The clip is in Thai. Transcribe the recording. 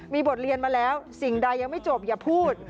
มีบทเรียนมาแล้วสิ่งใดยังไม่จบอย่าพูด